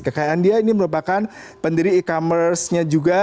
kekayaan dia ini merupakan pendiri e commerce nya juga